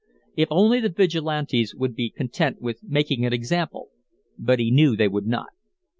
If only the Vigilantes would be content with making an example but he knew they would not.